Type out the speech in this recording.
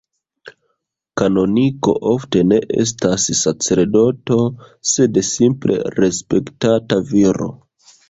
Kanoniko ofte ne estas sacerdoto, sed simple respektata viro.